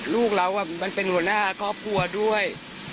ลูกเรามันเป็นหัวหน้าครอบครัวด้วย